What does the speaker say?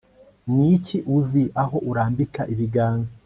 Ni iki uzi aho urambika ibiganza